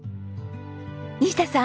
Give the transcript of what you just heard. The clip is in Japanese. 西田さん。